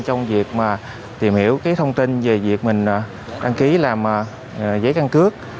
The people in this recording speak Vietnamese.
trong việc tìm hiểu thông tin về việc mình đăng ký làm giấy căn cước